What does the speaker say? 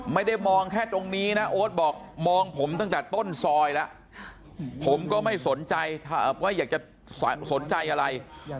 ไม่ได้มองแค่ตรงนี้นะโอ๊ตบอกมองผมตั้งแต่ต้นซอยแล้วผมก็ไม่สนใจว่าอยากจะสนใจอะไร